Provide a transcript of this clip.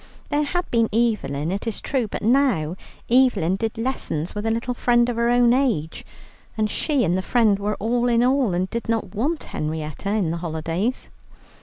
There had been Evelyn, it is true, but now Evelyn did lessons with a little friend of her own age, and she and the friend were all in all, and did not want Henrietta in the holidays.